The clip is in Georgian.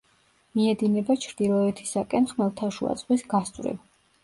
მიედინება ჩრდილოეთისაკენ ხმელთაშუა ზღვის გასწვრივ.